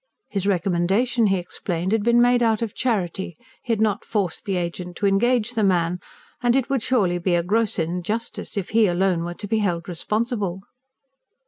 His recommendation, he explained, had been made out of charity; he had not forced the agent to engage the man; and it would surely be a gross injustice if he alone were to be held responsible.